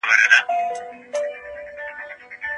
سپین سرې په خپلې زړې لنګۍ باندې مېز پاک کړ.